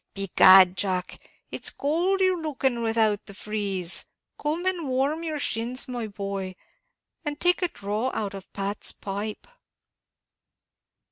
Begad, Jack, and it's cowld you're looking without the frieze; come and warm your shins, my boy, and take a draw out of Pat's pipe."